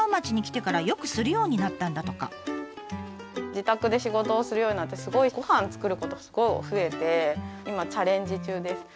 自宅で仕事をするようになってごはん作ることすごい増えて今チャレンジ中です